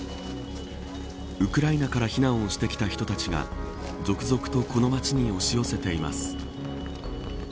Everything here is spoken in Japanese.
ウクライナから避難をしてきた人たちが続々とこの町に押し寄せています。